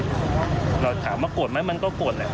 เราถามว่าโกรธไหมมันก็โกรธแหละ